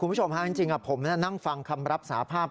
คุณผู้ชมฮะจริงผมนั่งฟังคำรับสาภาพ